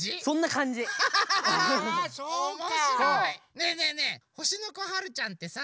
ねえねえねえほしのこはるちゃんってさ